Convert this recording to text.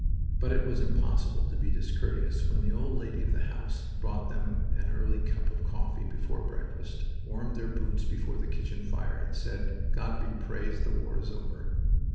But it was impossible to be discourteous when the old lady of the house brought them an early cup of coffee before breakfast, warmed their boots before the kitchen fire, said, "God be praised, the war is over."